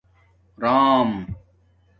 رام